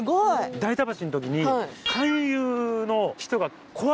代田橋の時に。